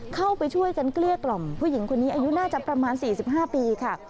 เข้าไปช่วยกันเกลี้ยกล่อมผู้หญิงคนนี้อายุน่าจะประมาณ๔๕ปีค่ะ